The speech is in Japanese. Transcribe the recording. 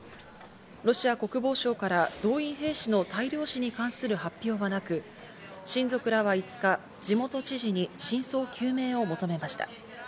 ロシア国防省から動員兵士の大量死に関する発表はなく、親族らは５日、地元知事に真相究明を求めました。